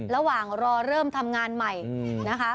ระหว่างรอเริ่มทำงานใหม่นะคะ